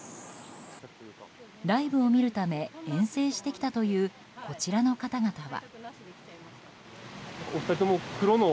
ライブを見るため遠征してきたというこちらの方々は。